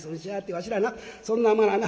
わしはなそんなものはな